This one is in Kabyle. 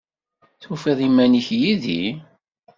Tufiḍ iman-ik yid-i?